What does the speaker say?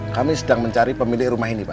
kami sedang mencari pemilik rumah ini pak